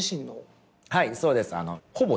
はいそうですあの。